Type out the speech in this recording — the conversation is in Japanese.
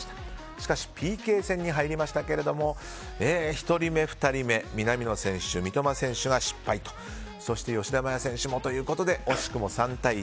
しかしＰＫ戦に入りましたが１人目、２人目南野選手、三笘選手が失敗ということでそして吉田麻也選手もということで惜しくも３対１。